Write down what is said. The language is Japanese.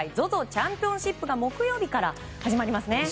チャンピオンシップが木曜日から始まりますね。